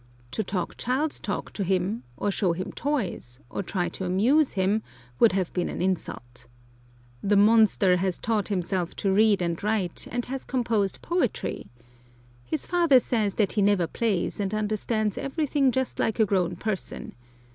To talk child's talk to him, or show him toys, or try to amuse him, would have been an insult. The monster has taught himself to read and write, and has composed poetry. His father says that he never plays, and understands everything just like a grown person.